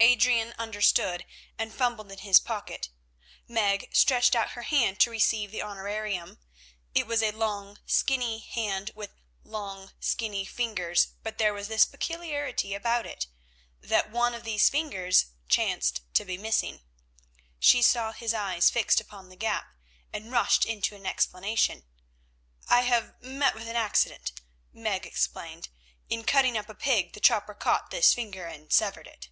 Adrian understood, and fumbled in his pocket. Meg stretched out her hand to receive the honorarium. It was a long, skinny hand, with long, skinny fingers, but there was this peculiarity about it, that one of these fingers chanced to be missing. She saw his eyes fixed upon the gap, and rushed into an explanation. "I have met with an accident," Meg explained. "In cutting up a pig the chopper caught this finger and severed it."